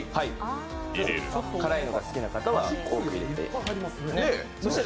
辛いのが好きな方は多く入れていただいて。